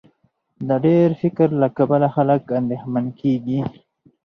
د ډېر فکر له کبله خلک اندېښمن کېږي.